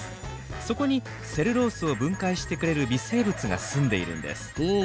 そこにセルロースを分解してくれる微生物がすんでいるんですほう。